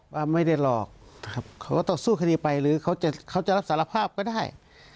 ว่าไม่ได้หลอกเขาก็ต่อสู้คดีไปหรือเขาจะรับสารภาพก็ได้